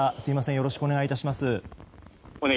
よろしくお願いします。